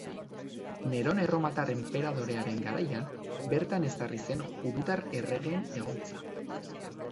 Neron erromatar enperadorearen garaian, bertan ezarri zen judutar erregeen egoitza.